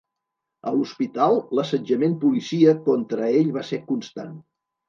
A l'hospital, l'assetjament policíac contra ell va ser constant.